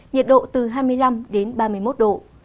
nhiệt độ từ hai mươi năm đến ba mươi một độ